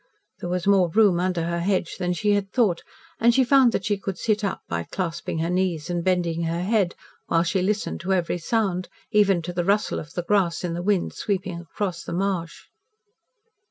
There was more room under her hedge than she had thought, and she found that she could sit up, by clasping her knees and bending her head, while she listened to every sound, even to the rustle of the grass in the wind sweeping across the marsh.